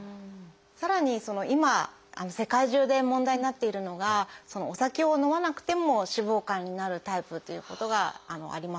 さらに今世界中で問題になっているのがお酒を飲まなくても脂肪肝になるタイプっていうことがあります。